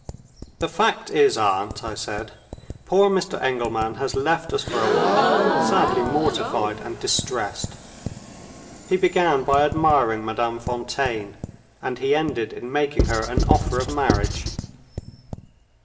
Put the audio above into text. "The fact is, aunt," I said, "poor Mr. Engelman has left us for awhile, sadly mortified and distressed. He began by admiring Madame Fontaine; and he ended in making her an offer of marriage."